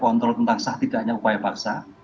kontrol tentang sah tidak hanya upaya bangsa